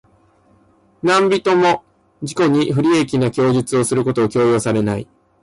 何人（なんびと）も自己に不利益な供述をすることを強要されない。